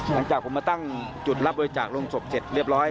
หลังจากผมมาตั้งจุดรับบริจาคโรงศพเสร็จเรียบร้อย